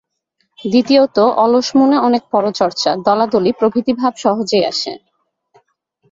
দ্বিতীয়ত অলস মনে অনেক পরচর্চা, দলাদলি প্রভৃতি ভাব সহজেই আসে।